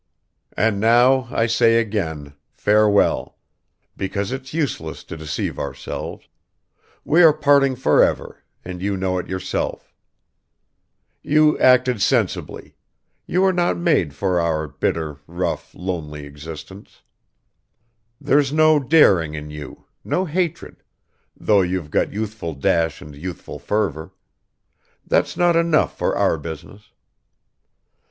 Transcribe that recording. "And now I say again, farewell ... because it's useless to deceive ourselves; we are parting forever, and you know it yourself ... you acted sensibly; you were not made for our bitter, rough, lonely existence. There's no daring in you, no hatred, though you've got youthful dash and youthful fervor; that's not enough for our business.